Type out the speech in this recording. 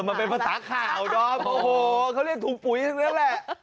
เออมันเป็นภาษาข่าวด้อมโอ้โหเขาเรียกถุงปุ๋ยแน่นแล้วแหละ